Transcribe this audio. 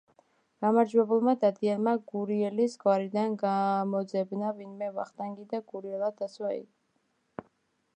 გამარჯვებულმა დადიანმა გურიელის გვარიდან გამოძებნა ვინმე ვახტანგი და გურიელად დასვა ის.